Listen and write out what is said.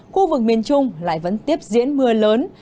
khu vực miền trung lại vẫn tiếp diễn mưa lớn